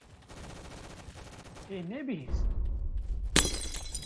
Te nebihîst?